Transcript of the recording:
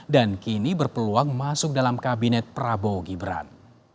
dan kini berpeluang masuk dalam kabinet prabowo gibran